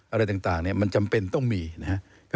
อะไรต่างมันจำเป็นต้องมีนะครับ